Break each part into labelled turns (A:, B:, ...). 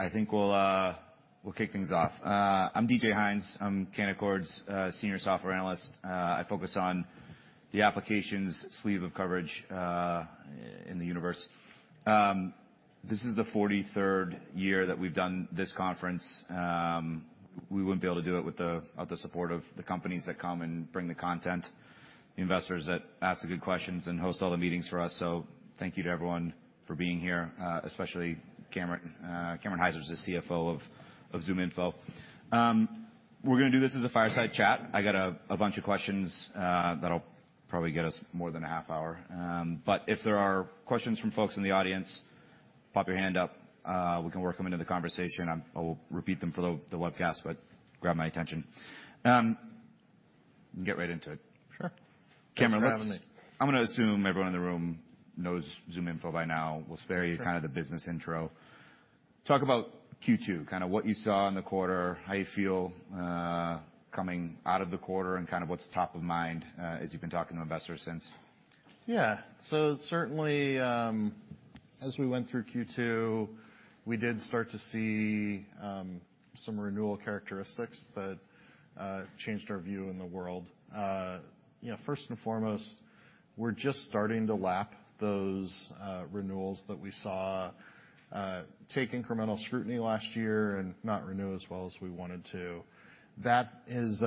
A: I think we'll kick things off. I'm David Hynes. I'm Canaccord's Senior Software Analyst. I focus on the applications sleeve of coverage in the universe. This is the 43rd year that we've done this conference. We wouldn't be able to do it with the, without the support of the companies that come and bring the content, the investors that ask the good questions, and host all the meetings for us. Thank you to everyone for being here, especially Cameron. Cameron Heiser is the CFO of ZoomInfo. We're gonna do this as a fireside chat. I got a, a bunch of questions that'll probably get us more than a half hour. If there are questions from folks in the audience, pop your hand up, we can work them into the conversation. I will repeat them for the, the webcast. Grab my attention. Get right into it.
B: Sure.
A: Cameron, I'm gonna assume everyone in the room knows ZoomInfo by now. We'll spare you-
B: Sure.
A: kind of the business intro. Talk about Q2, kind of what you saw in the quarter, how you feel coming out of the quarter, and kind of what's top of mind as you've been talking to investors since.
B: Certainly, as we went through Q2, we did start to see some renewal characteristics that changed our view in the world. You know, first and foremost, we're just starting to lap those renewals that we saw take incremental scrutiny last year and not renew as well as we wanted to. That is,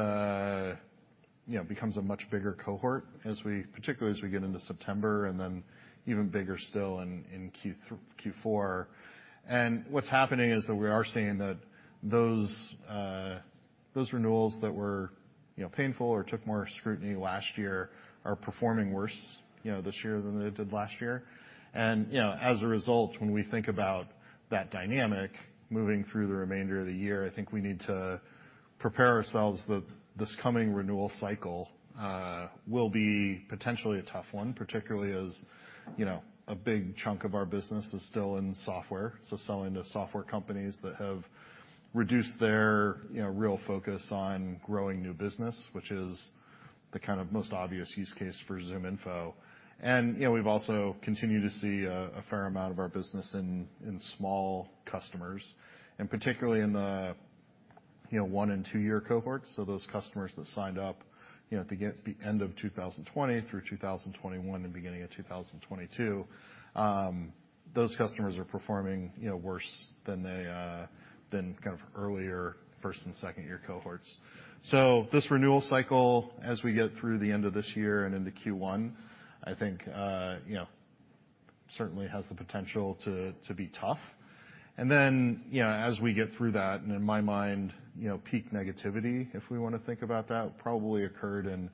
B: you know, becomes a much bigger cohort as we particularly as we get into September, and then even bigger still in Q4. What's happening is that we are seeing that those renewals that were, you know, painful or took more scrutiny last year, are performing worse, you know, this year than they did last year. You know, as a result, when we think about that dynamic moving through the remainder of the year, I think we need to prepare ourselves that this coming renewal cycle will be potentially a tough one, particularly as, you know, a big chunk of our business is still in software. Selling to software companies that have reduced their, you know, real focus on growing new business, which is the kind of most obvious use case for ZoomInfo. You know, we've also continued to see a fair amount of our business in small customers, and particularly in the, you know, one and two-year cohorts. Those customers that signed up, you know, at the end of 2020 through 2021 and beginning of 2022, those customers are performing, you know, worse than they, than kind of earlier first and second-year cohorts. This renewal cycle, as we get through the end of this year and into Q1, I think, you know, certainly has the potential to, to be tough. You know, as we get through that, and in my mind, you know, peak negativity, if we wanna think about that, probably occurred in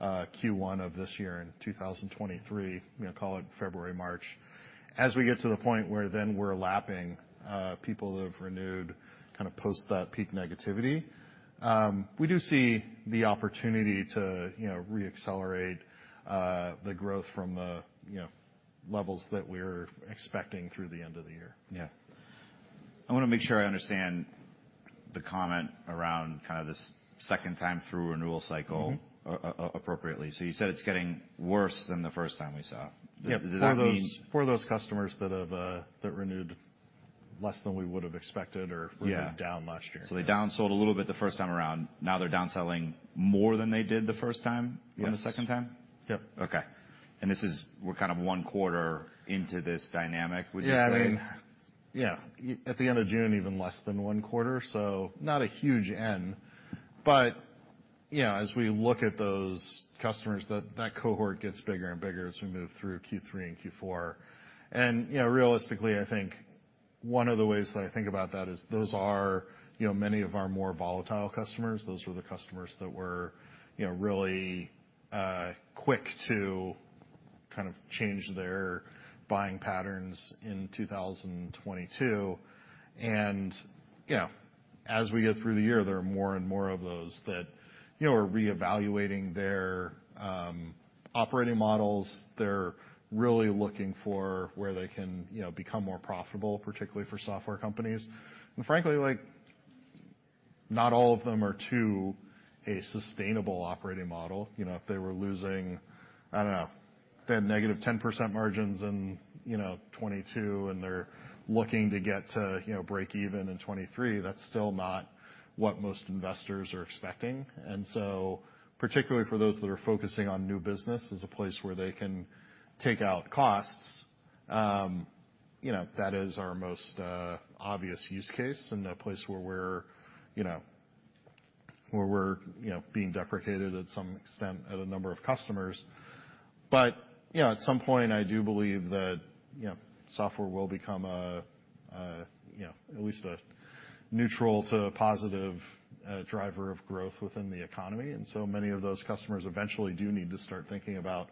B: Q1 of this year, in 2023, you know, call it February, March. As we get to the point where then we're lapping, people who have renewed kind of post that peak negativity, we do see the opportunity to, you know, re-accelerate, the growth from the, you know, levels that we're expecting through the end of the year.
A: Yeah. I wanna make sure I understand the comment around kind of this second time through renewal cycle-
B: Mm-hmm.
A: appropriately. You said it's getting worse than the first time we saw.
B: Yeah.
A: Does that mean.
B: For those, for those customers that have, that renewed less than we would have expected.
A: Yeah
B: were down last year.
A: They down-sold a little bit the first time around. Now they're down-selling more than they did the first time-
B: Yes
A: from the second time?
B: Yep.
A: Okay. This is, we're kind of one quarter into this dynamic, would you say?
B: Yeah. I mean... Yeah, at the end of June, even less than one quarter, so not a huge N. you know, as we look at those customers, that, that cohort gets bigger and bigger as we move through Q3 and Q4. you know, realistically, I think one of the ways that I think about that is those are, you know, many of our more volatile customers. Those were the customers that were, you know, really quick to kind of change their buying patterns in 2022. you know, as we get through the year, there are more and more of those that, you know, are reevaluating their operating models. They're really looking for where they can, you know, become more profitable, particularly for software companies. frankly, like, not all of them are to a sustainable operating model. You know, if they were losing, I don't know, they had -10% margins in, you know, 2022, they're looking to get to, you know, break even in 2023, that's still not what most investors are expecting. So particularly for those that are focusing on new business, is a place where they can take out costs, you know, that is our most obvious use case and a place where we're, you know, where we're, you know, being deprecated at some extent at a number of customers. You know, at some point, I do believe that, you know, software will become a, a, you know, at least a neutral to positive driver of growth within the economy. So many of those customers eventually do need to start thinking about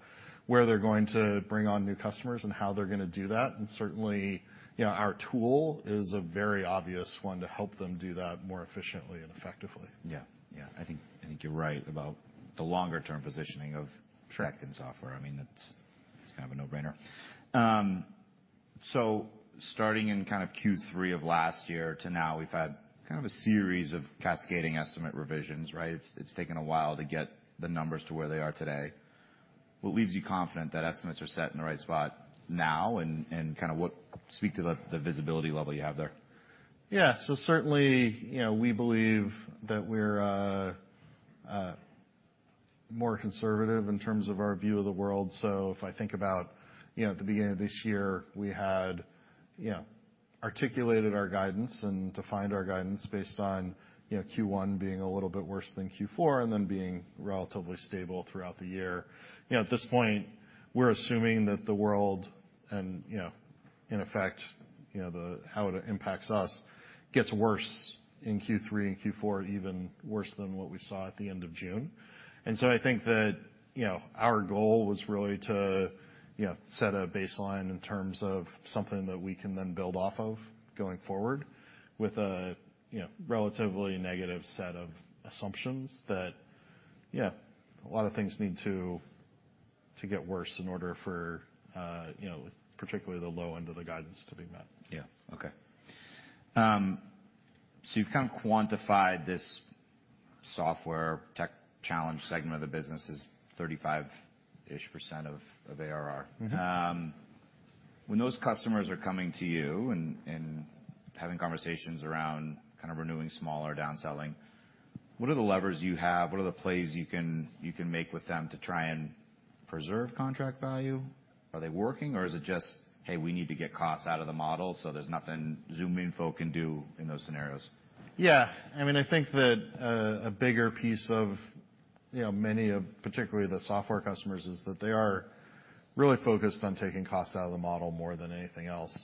B: where they're going to bring on new customers and how they're gonna do that. Certainly, you know, our tool is a very obvious one to help them do that more efficiently and effectively.
A: Yeah. Yeah, I think, I think you're right about the longer-term positioning of-
B: Sure
A: track and software. I mean, it's, it's kind of a no-brainer. Starting in kind of Q3 of last year to now, we've had kind of a series of cascading estimate revisions, right? It's, it's taken a while to get the numbers to where they are today. What leaves you confident that estimates are set in the right spot now, and kind of speak to the visibility level you have there?
B: Yeah. Certainly, you know, we believe that we're more conservative in terms of our view of the world. If I think about, you know, at the beginning of this year, we had, you know, articulated our guidance and defined our guidance based on, you know, Q1 being a little bit worse than Q4, and then being relatively stable throughout the year. You know, at this point, we're assuming that the world and, you know, in effect, you know, the, how it impacts us, gets worse in Q3 and Q4, even worse than what we saw at the end of June. I think that, you know, our goal was really to, you know, set a baseline in terms of something that we can then build off of going forward, with a, you know, relatively negative set of assumptions that, yeah, a lot of things need to, to get worse in order for, you know, particularly the low end of the guidance to be met.
A: Yeah. Okay. you've kind of quantified this software tech challenge segment of the business is 35% of, of ARR.
B: Mm-hmm.
A: When those customers are coming to you and, and having conversations around kind of renewing smaller down-selling, what are the levers you have? What are the plays you can, you can make with them to try and preserve contract value? Are they working, or is it just, "Hey, we need to get costs out of the model, so there's nothing ZoomInfo can do in those scenarios?
B: Yeah. I mean, I think that, a bigger piece of, you know, many of, particularly the software customers, is that they are really focused on taking costs out of the model more than anything else.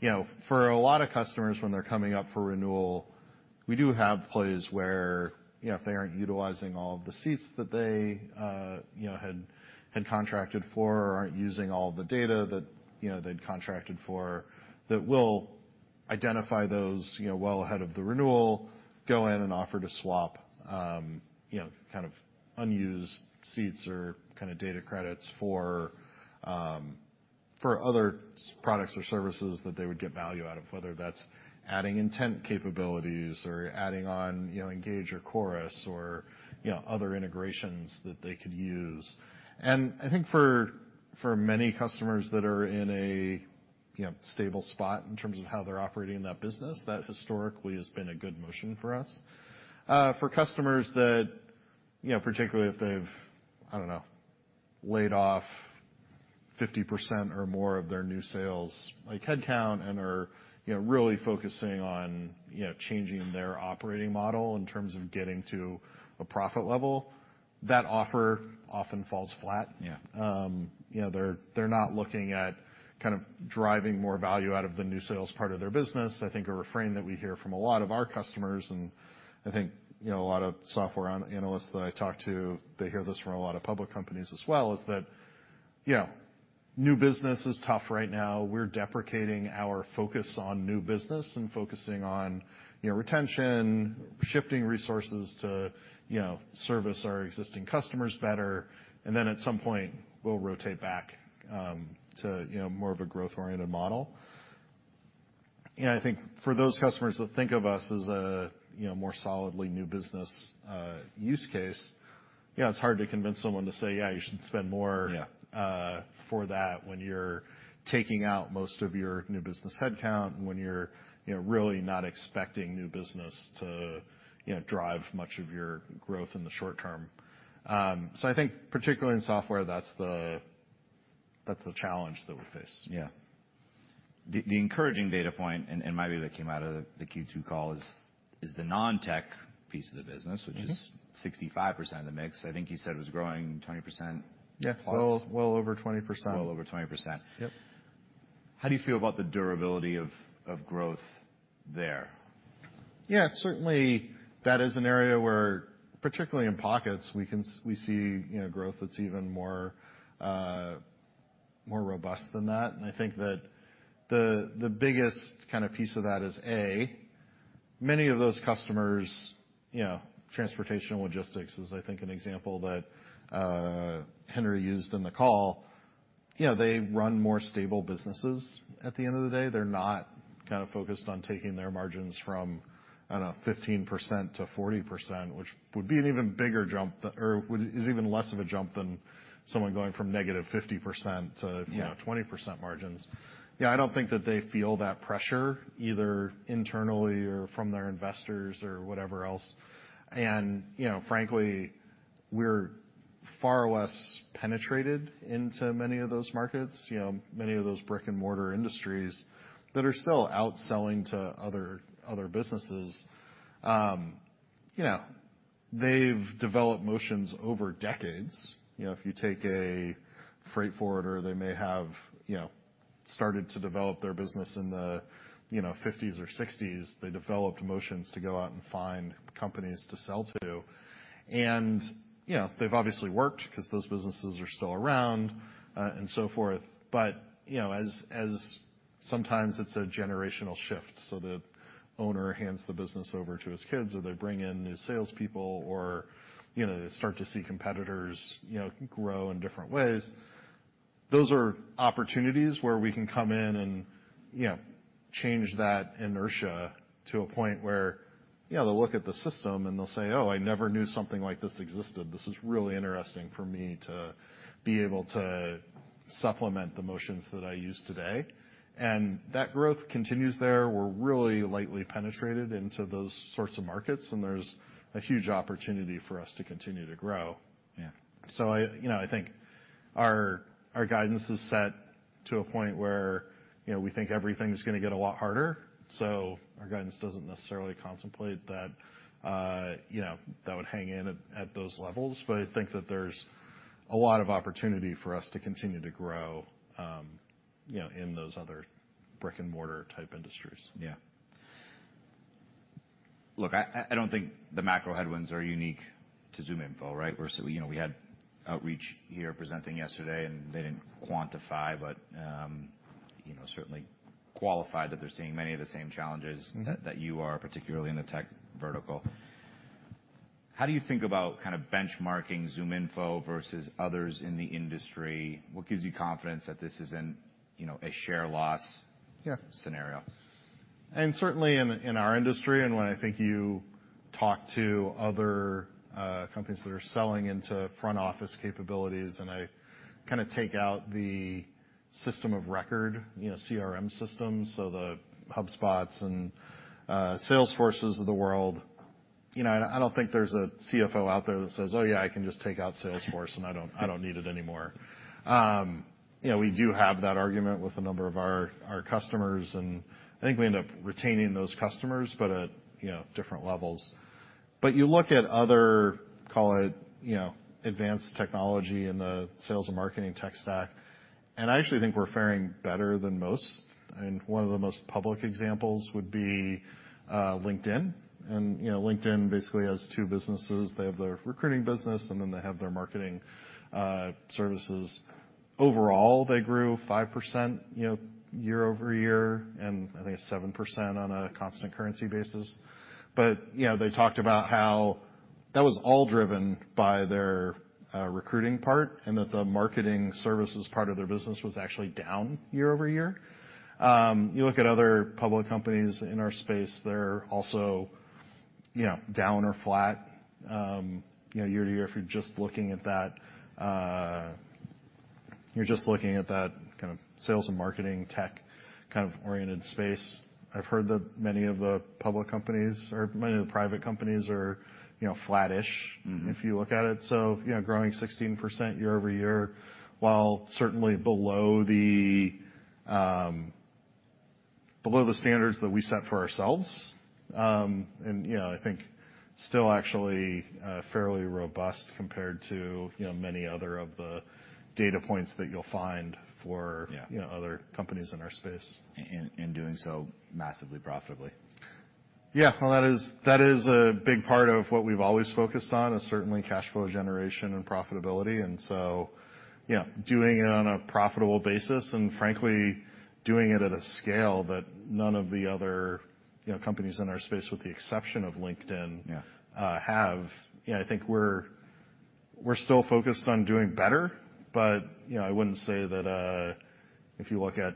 B: You know, for a lot of customers, when they're coming up for renewal, we do have plays where, you know, if they aren't utilizing all of the seats that they, you know, had, had contracted for, or aren't using all the data that, you know, they'd contracted for, that we'll identify those, you know, well ahead of the renewal, go in and offer to swap, you know, kind of unused seats or kind of data credits for, for other products or services that they would get value out of, whether that's adding intent capabilities or adding on, you know, Engage or Chorus or, you know, other integrations that they could use. I think for, for many customers that are in a, you know, stable spot in terms of how they're operating in that business, that historically has been a good motion for us. For customers that, you know, particularly if they've, I don't know, laid off 50% or more of their new sales, like, headcount and are, you know, really focusing on, you know, changing their operating model in terms of getting to a profit level, that offer often falls flat.
A: Yeah.
B: You know, they're, they're not looking at kind of driving more value out of the new sales part of their business. I think a refrain that we hear from a lot of our customers, and I think, you know, a lot of software analysts that I talk to, they hear this from a lot of public companies as well, is that: "You know, new business is tough right now. We're deprecating our focus on new business and focusing on, you know, retention, shifting resources to, you know, service our existing customers better. At some point, we'll rotate back to, you know, more of a growth-oriented model." I think for those customers that think of us as a, you know, more solidly new business, use case, you know, it's hard to convince someone to say: "Yeah, you should spend more-
A: Yeah.
B: For that, when you're taking out most of your new business headcount, when you're, you know, really not expecting new business to, you know, drive much of your growth in the short term. I think particularly in software, that's the, that's the challenge that we face.
A: Yeah. The, the encouraging data point, and, and maybe that came out of the Q2 call is, is the non-tech piece of the business-
B: Mm-hmm.
A: -which is 65% of the mix, I think you said was growing 20%?
B: Yeah.
A: Plus.
B: Well, well over 20%.
A: Well over 20%.
B: Yep.
A: How do you feel about the durability of, of growth there?
B: Yeah, certainly that is an area where, particularly in pockets, we see, you know, growth that's even more robust than that. I think that the, the biggest kind of piece of that is, A, many of those customers, you know, transportation and logistics is, I think, an example that Henry used in the call. You know, they run more stable businesses at the end of the day. They're not kind of focused on taking their margins from, I don't know, 15% to 40%, which would be an even bigger jump that... or is even less of a jump than someone going from -50%.
A: Yeah...
B: 20% margins. Yeah, I don't think that they feel that pressure, either internally or from their investors or whatever else. You know, frankly, we're far less penetrated into many of those markets. You know, many of those brick-and-mortar industries that are still outselling to other, other businesses, you know, they've developed motions over decades. You know, if you take a freight forwarder, they may have, you know, started to develop their business in the, you know, 50s or 60s. They developed motions to go out and find companies to sell to, and, you know, they've obviously worked because those businesses are still around, and so forth. You know, as, as sometimes it's a generational shift, so the owner hands the business over to his kids, or they bring in new salespeople, or, you know, they start to see competitors, you know, grow in different ways. Those are opportunities where we can come in and, you know, change that inertia to a point where, you know, they'll look at the system, and they'll say, "Oh, I never knew something like this existed. This is really interesting for me to be able to supplement the motions that I use today." That growth continues there. We're really lightly penetrated into those sorts of markets, and there's a huge opportunity for us to continue to grow.
A: Yeah.
B: I, you know, I think our, our guidance is set to a point where, you know, we think everything's gonna get a lot harder, so our guidance doesn't necessarily contemplate that, you know, that would hang in at, at those levels. I think that there's a lot of opportunity for us to continue to grow, you know, in those other brick-and-mortar type industries.
A: Yeah. Look, I don't think the macro headwinds are unique to ZoomInfo, right? We're so, you know, we had Outreach here presenting yesterday, and they didn't quantify but, you know, certainly qualified that they're seeing many of the same challenges...
B: Mm-hmm.
A: -that, that you are, particularly in the tech vertical. How do you think about kind of benchmarking ZoomInfo versus others in the industry? What gives you confidence that this isn't, you know, a share loss-
B: Yeah
A: ...scenario?
B: Certainly in, in our industry, when I think you talk to other companies that are selling into front office capabilities, I kind of take out the system of record, you know, CRM systems, so the HubSpots and Salesforces of the world, you know, I don't think there's a CFO out there that says, "Oh, yeah, I can just take out Salesforce, and I don't, I don't need it anymore." You know, we do have that argument with a number of our customers, and I think we end up retaining those customers but at, you know, different levels. You look at other, call it, you know, advanced technology in the sales and marketing tech stack, and I actually think we're faring better than most. One of the most public examples would be LinkedIn. You know, LinkedIn basically has two businesses. They have their recruiting business, and then they have their marketing, services. Overall, they grew 5%, you know, year-over-year, and I think 7% on a constant currency basis. You know, they talked about how that was all driven by their, recruiting part and that the marketing services part of their business was actually down year-over-year. You look at other public companies in our space, they're also, you know, down or flat, you know, year to year, if you're just looking at that... You're just looking at that kind of sales and marketing tech kind of oriented space. I've heard that many of the public companies or many of the private companies are, you know, flattish.
A: Mm-hmm...
B: if you look at it. You know, growing 16% year-over-year, while certainly below the, below the standards that we set for ourselves, and, you know, I think still actually, fairly robust compared to, you know, many other of the data points that you'll find for-
A: Yeah...
B: you know, other companies in our space.
A: And doing so massively profitably.
B: Yeah. Well, that is, that is a big part of what we've always focused on, is certainly cash flow generation and profitability, and so, you know, doing it on a profitable basis, and frankly, doing it at a scale that none of the other, you know, companies in our space, with the exception of LinkedIn...
A: Yeah...
B: have. You know, I think we're, we're still focused on doing better, but, you know, I wouldn't say that, if you look at,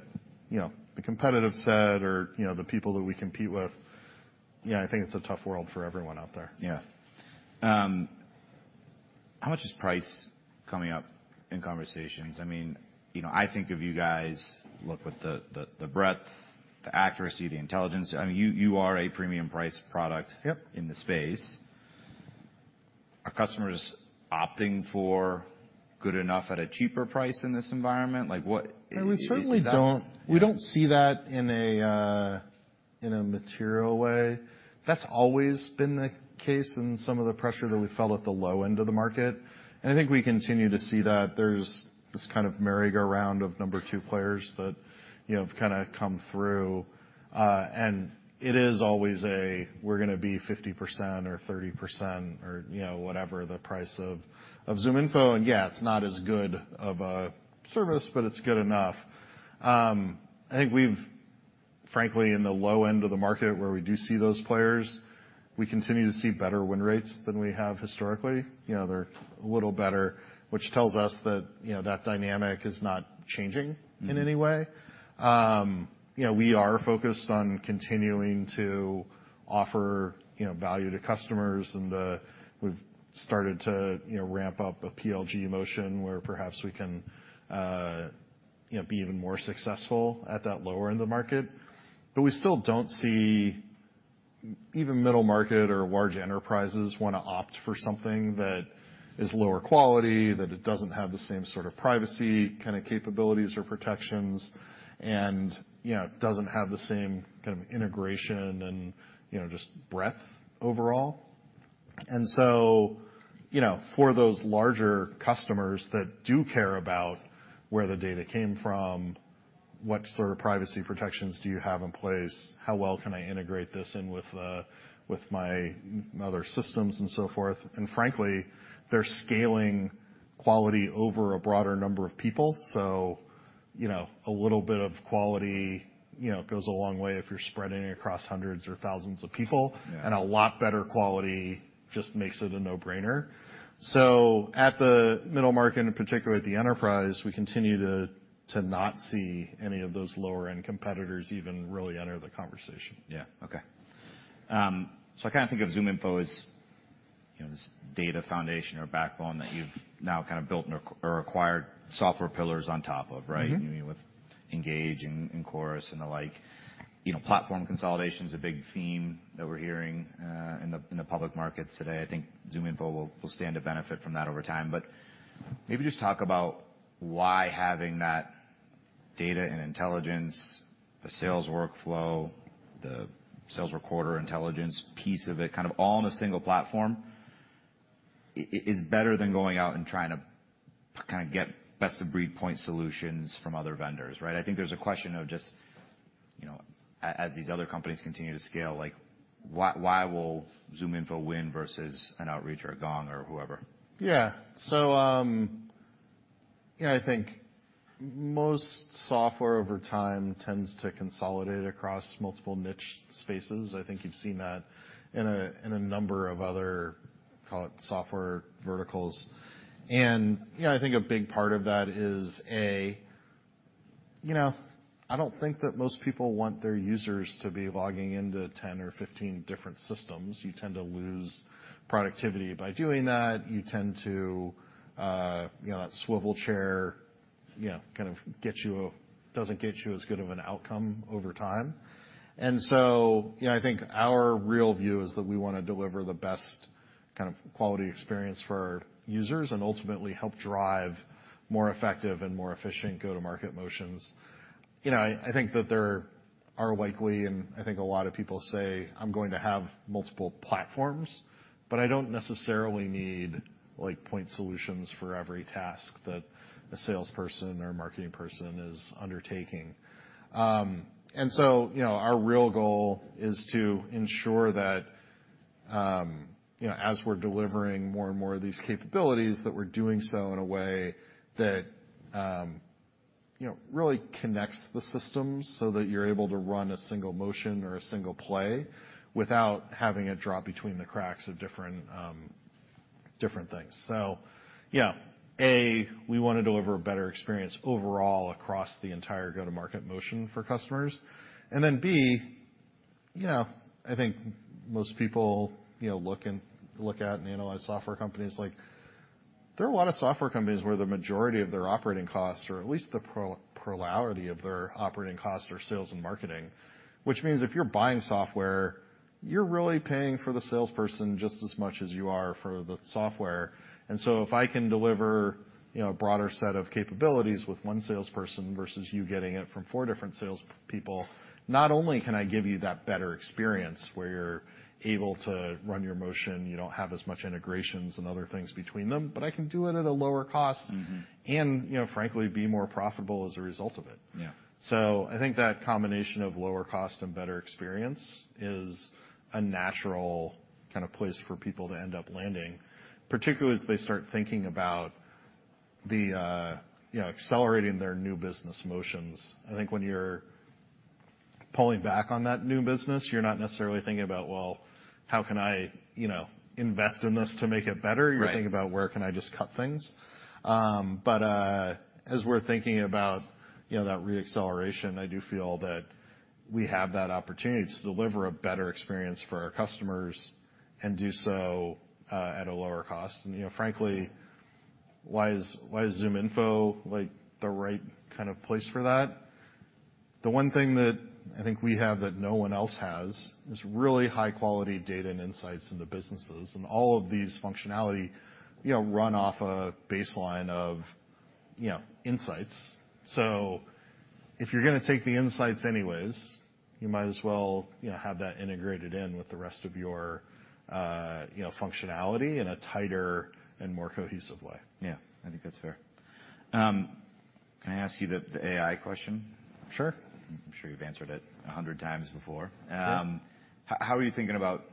B: you know, the competitive set or, you know, the people that we compete with, you know, I think it's a tough world for everyone out there.
A: Yeah. How much is price coming up in conversations? I mean, you know, I think of you guys, look, with the, the, the breadth, the accuracy, the intelligence, I mean, you, you are a premium price product.
B: Yep...
A: in the space. Are customers opting for good enough at a cheaper price in this environment? Like, what is?
B: We certainly don't-
A: Is that-
B: We don't see that in a material way. That's always been the case in some of the pressure that we felt at the low end of the market. I think we continue to see that there's this kind of merry-go-round of number two players that, you know, have kind of come through, and it is always a, we're gonna be 50% or 30% or, you know, whatever the price of, of ZoomInfo, and, yeah, it's not as good of a service, but it's good enough. I think we've frankly, in the low end of the market where we do see those players, we continue to see better win rates than we have historically. You know, they're a little better, which tells us that, you know, that dynamic is not changing in any way.
A: Mm.
B: You know, we are focused on continuing to offer, you know, value to customers, and, we've started to, you know, ramp up a PLG motion where perhaps we can, you know, be even more successful at that lower end of the market. We still don't see even middle market or large enterprises want to opt for something that is lower quality, that it doesn't have the same sort of privacy, kind of capabilities or protections, and, you know, doesn't have the same kind of integration and, you know, just breadth overall. You know, for those larger customers that do care about where the data came from, what sort of privacy protections do you have in place? How well can I integrate this in with, with my other systems and so forth? Frankly, they're scaling quality over a broader number of people, so... you know, a little bit of quality, you know, goes a long way if you're spreading it across hundreds or thousands of people.
A: Yeah.
B: A lot better quality just makes it a no-brainer. At the middle market, and in particular, at the enterprise, we continue to, to not see any of those lower-end competitors even really enter the conversation.
A: Yeah. Okay. I kind of think of ZoomInfo as, you know, this data foundation or backbone that you've now kind of built or acquired software pillars on top of, right?
B: Mm-hmm.
A: With Engage and Chorus and the like. You know, platform consolidation is a big theme that we're hearing in the public markets today. I think ZoomInfo will stand to benefit from that over time. Maybe just talk about why having that data and intelligence, the sales workflow, the sales recorder intelligence piece of it, kind of all in a single platform, is better than going out and trying to kind of get best-of-breed point solutions from other vendors, right? I think there's a question of just, you know, as these other companies continue to scale, like, why, why will ZoomInfo win versus an Outreach or a Gong or whoever?
B: You know, I think most software over time tends to consolidate across multiple niche spaces. I think you've seen that in a, in a number of other, call it, software verticals. You know, I think a big part of that is, A, you know, I don't think that most people want their users to be logging into 10 or 15 different systems. You tend to lose productivity by doing that. You tend to, you know, that swivel chair, you know, kind of doesn't get you as good of an outcome over time. You know, I think our real view is that we wanna deliver the best kind of quality experience for our users and ultimately help drive more effective and more efficient go-to-market motions. You know, I, I think that there are likely, and I think a lot of people say, "I'm going to have multiple platforms, but I don't necessarily need, like, point solutions for every task that a salesperson or a marketing person is undertaking." You know, our real goal is to ensure that, you know, as we're delivering more and more of these capabilities, that we're doing so in a way that, you know, really connects the systems so that you're able to run a single motion or a single play without having it drop between the cracks of different, different things. Yeah, A, we wanna deliver a better experience overall across the entire go-to-market motion for customers. Then, B, you know, I think most people, you know, look and, look at and analyze software companies, like, there are a lot of software companies where the majority of their operating costs, or at least the plurality of their operating costs, are sales and marketing. Which means if you're buying software, you're really paying for the salesperson just as much as you are for the software. So if I can deliver, you know, a broader set of capabilities with one salesperson versus you getting it from four different salespeople, not only can I give you that better experience where you're able to run your motion, you don't have as much integrations and other things between them, but I can do it at a lower cost...
A: Mm-hmm...
B: you know, frankly, be more profitable as a result of it.
A: Yeah.
B: I think that combination of lower cost and better experience is a natural kind of place for people to end up landing, particularly as they start thinking about the, you know, accelerating their new business motions. I think when you're pulling back on that new business, you're not necessarily thinking about, well, how can I, you know, invest in this to make it better?
A: Right.
B: You're thinking about: Where can I just cut things? As we're thinking about, you know, that re-acceleration, I do feel that we have that opportunity to deliver a better experience for our customers and do so at a lower cost. You know, frankly, why is, why is ZoomInfo, like, the right kind of place for that? The one thing that I think we have that no one else has, is really high-quality data and insights into businesses, and all of these functionality, you know, run off a baseline of, you know, insights. If you're gonna take the insights anyways, you might as well, you know, have that integrated in with the rest of your, you know, functionality in a tighter and more cohesive way.
A: Yeah, I think that's fair. Can I ask you the, the AI question?
B: Sure.
A: I'm sure you've answered it 100 times before.
B: Sure.
A: How, how are you thinking about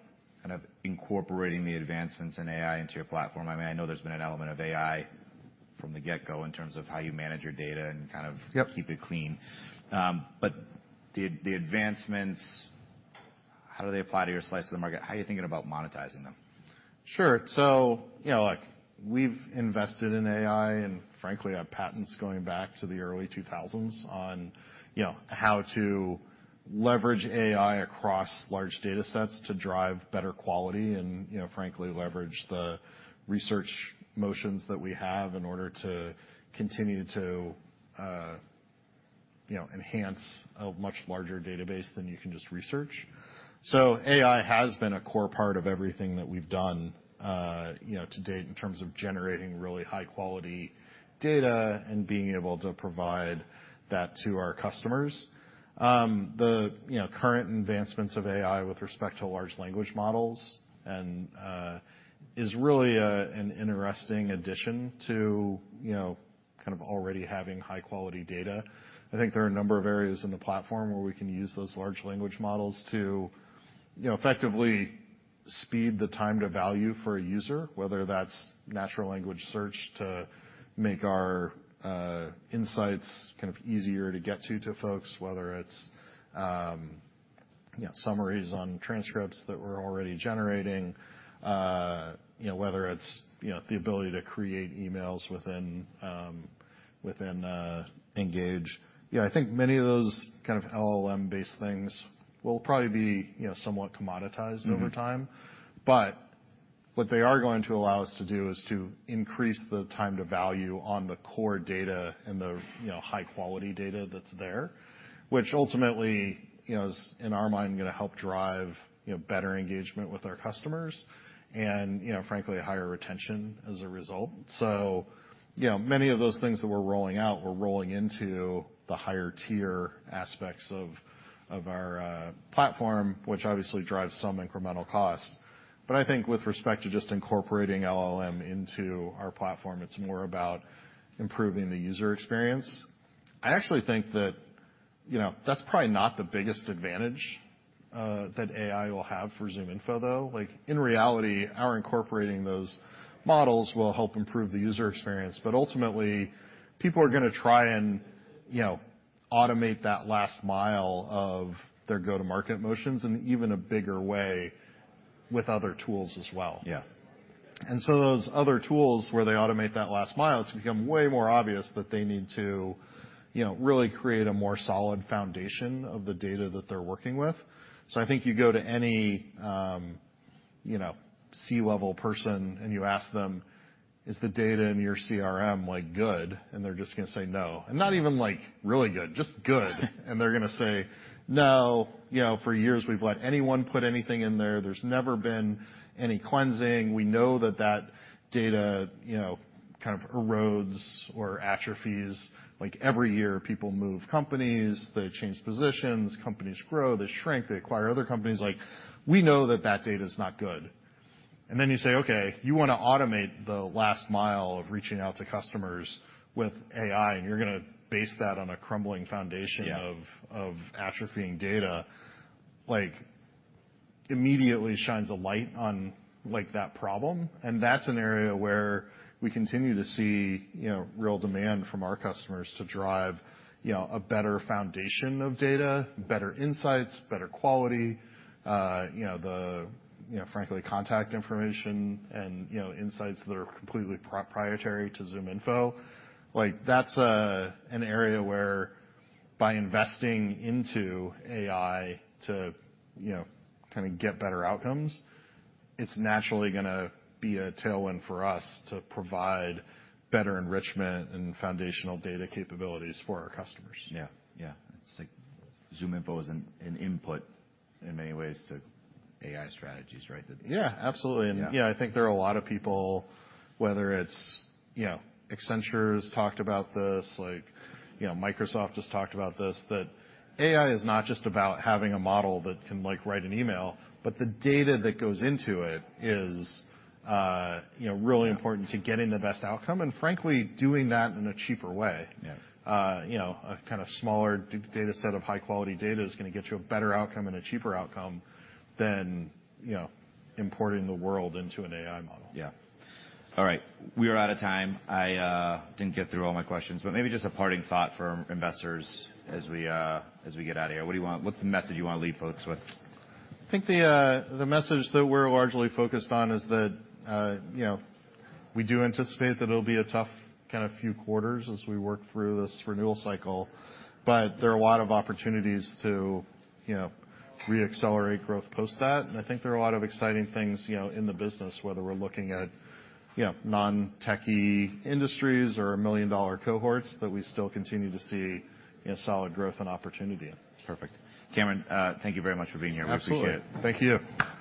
A: kind of incorporating the advancements in AI into your platform? I mean, I know there's been an element of AI from the get-go in terms of how you manage your data and.
B: Yep...
A: keep it clean. The, the advancements, how do they apply to your slice of the market? How are you thinking about monetizing them?
B: Sure. you know, look, we've invested in AI and frankly, have patents going back to the early 2000s on, you know, how to leverage AI across large data sets to drive better quality and, you know, frankly, leverage the research motions that we have in order to continue to, you know, enhance a much larger database than you can just research. AI has been a core part of everything that we've done, you know, to date, in terms of generating really high-quality data and being able to provide that to our customers. The, you know, current advancements of AI with respect to large language models and is really a, an interesting addition to, you know, kind of already having high-quality data. I think there are a number of areas in the platform where we can use those large language models to, you know, effectively. speed the time to value for a user, whether that's natural language search to make our insights kind of easier to get to, to folks, whether it's, you know, summaries on transcripts that we're already generating, you know, whether it's, you know, the ability to create emails within, within Engage. You know, I think many of those kind of LLM-based things will probably be, you know, somewhat commoditized over time.
A: Mm-hmm.
B: What they are going to allow us to do is to increase the time to value on the core data and the, you know, high-quality data that's there, which ultimately, you know, is, in our mind, gonna help drive, you know, better engagement with our customers and, you know, frankly, higher retention as a result. You know, many of those things that we're rolling out, we're rolling into the higher tier aspects of, of our platform, which obviously drives some incremental costs. I think with respect to just incorporating LLM into our platform, it's more about improving the user experience. I actually think that, you know, that's probably not the biggest advantage that AI will have for ZoomInfo, though. Like, in reality, our incorporating those models will help improve the user experience, but ultimately, people are gonna try and, you know, automate that last mile of their go-to-market motions in an even a bigger way with other tools as well.
A: Yeah.
B: Those other tools, where they automate that last mile, it's become way more obvious that they need to, you know, really create a more solid foundation of the data that they're working with. I think you go to any, you know, C-level person, and you ask them, "Is the data in your CRM, like, good?" They're just gonna say, "No." Not even, like, really good, just good. They're gonna say, "No. You know, for years, we've let anyone put anything in there. There's never been any cleansing. We know that that data, you know, kind of erodes or atrophies. Like, every year, people move companies, they change positions, companies grow, they shrink, they acquire other companies. Like, we know that that data is not good." Then you say, "Okay, you wanna automate the last mile of reaching out to customers with AI, and you're gonna base that on a crumbling foundation...
A: Yeah...
B: of atrophying data," like, immediately shines a light on, like, that problem. That's an area where we continue to see, you know, real demand from our customers to drive, you know, a better foundation of data, better insights, better quality, you know, the, you know, frankly, contact information and, you know, insights that are completely proprietary to ZoomInfo. Like, that's an area where by investing into AI to, you know, kind of get better outcomes, it's naturally gonna be a tailwind for us to provide better enrichment and foundational data capabilities for our customers.
A: Yeah. Yeah, it's like ZoomInfo is an input in many ways to AI strategies, right?
B: Yeah, absolutely.
A: Yeah.
B: You know, I think there are a lot of people, whether it's... You know, Accenture's talked about this, like, you know, Microsoft has talked about this, that AI is not just about having a model that can, like, write an email, but the data that goes into it is, you know, really important...
A: Yeah...
B: to getting the best outcome and, frankly, doing that in a cheaper way.
A: Yeah.
B: You know, a kind of smaller data set of high-quality data is gonna get you a better outcome and a cheaper outcome than, you know, importing the world into an AI model.
A: Yeah. All right, we are out of time. I didn't get through all my questions, but maybe just a parting thought for investors as we, as we get out of here. What's the message you want to leave folks with?
B: I think the message that we're largely focused on is that, you know, we do anticipate that it'll be a tough kind of few quarters as we work through this renewal cycle, but there are a lot of opportunities to, you know, re-accelerate growth post that. I think there are a lot of exciting things, you know, in the business, whether we're looking at, you know, non-techie industries or million-dollar cohorts that we still continue to see, you know, solid growth and opportunity.
A: Perfect. Cameron, thank you very much for being here.
B: Absolutely.
A: We appreciate it.
B: Thank you.